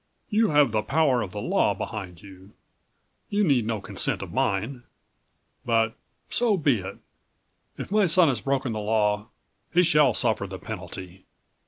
"You have the power of the law behind you; you need no consent of mine. But so be it; if my son has broken the law, he shall suffer the penalty."